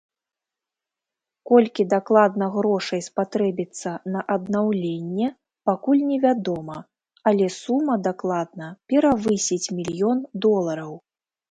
Колькі дакладна грошай спатрэбіцца на аднаўленне, пакуль невядома, але сума дакладна перавысіць мільён долараў.